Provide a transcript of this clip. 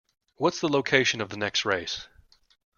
What's the location of the next race?